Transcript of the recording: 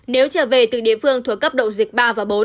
nếu trở về từ địa phương thuộc cấp độ dịch ba và bốn